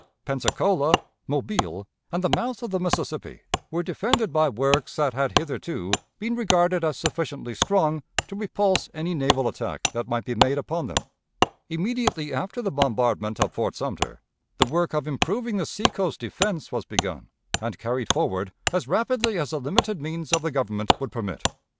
Pensacola, Mobile, and the mouth of the Mississippi were defended by works that had hitherto been regarded as sufficiently strong to repulse any naval attack that might be made upon them. Immediately after the bombardment of Fort Sumter, the work of improving the seacoast defense was begun and carried forward as rapidly as the limited means of the Government would permit.